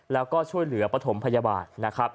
แล้วก็ช่วยเหลือปฐมพยาบาลนะครับ